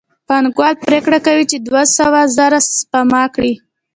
پانګوال پرېکړه کوي چې دوه سوه زره سپما کړي